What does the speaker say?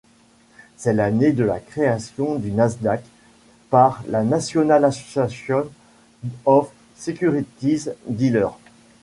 C'est l'année de la création du Nasdaq par la National Association of Securities Dealers.